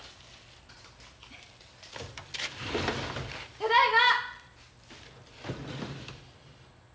ただいま！